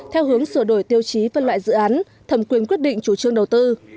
theo hướng sửa đổi tiêu chí phân loại dự án thẩm quyền quyết định chủ trương đầu tư